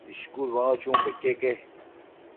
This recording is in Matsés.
ishcudbono chunbo iqueque